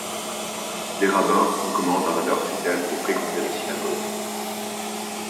Les rabbins recommandent à leurs fidèles de fréquenter la synagogue.